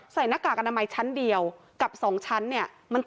ถ้ายังไม่ได้ฉีดวัคซีนสำคัญหรือไม่นะคะ